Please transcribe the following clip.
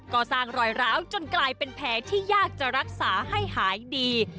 ก็สร้างรอยร้าวจนกลายเป็นแผลที่ยากจะรักษาให้หายดี